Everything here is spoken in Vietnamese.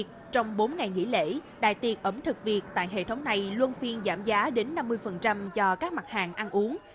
thương hiệu này luôn phiên giảm giá đến năm mươi cho các mặt hàng ăn uống